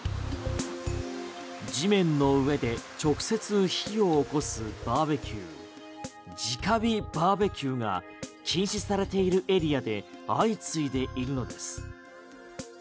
地面の上で直接火をおこすバーベキュー直火バーベキューが禁止されているエリアで相次いでいるのです。